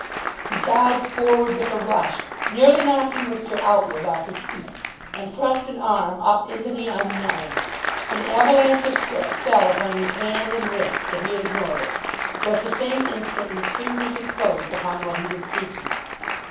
He dived forward with a rush, nearly knocking Mr. Outwood off his feet, and thrust an arm up into the unknown. An avalanche of soot fell upon his hand and wrist, but he ignored it, for at the same instant his fingers had closed upon what he was seeking.